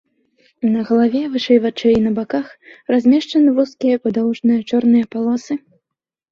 На галаве вышэй вачэй і на баках размешчаны вузкія падоўжныя чорныя палосы.